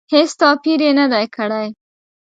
هېڅ توپیر یې نه دی کړی.